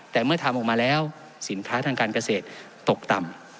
แต่เมื่อทำออกมาแล้วสินค้าทางการเกษตรตกต่ำ